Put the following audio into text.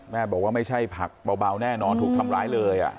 บอกว่าไม่ใช่ผักเบาแน่นอนถูกทำร้ายเลย